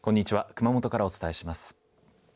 熊本からお伝えします。